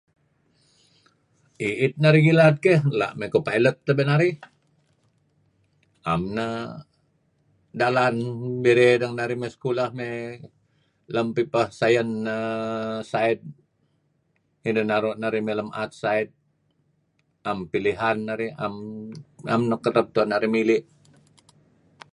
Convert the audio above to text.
Iit narih ngilad keyh kuh pilot tabe' narih am neh dalan birey deh ngen narih may sekolah lem pipeh sains uhm ideh naru' narih may lem art side am pilihan narih am nuk kereb tuen narih mili'.